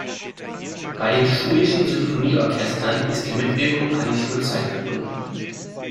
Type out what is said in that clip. Bei den schulischen Sinfonieorchestern ist die Mitwirkung an die Schulzeit gebunden.